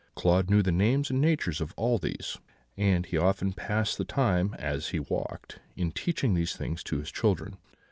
Claude knew the names and natures of all these; and he often passed the time, as he walked, in teaching these things to his children.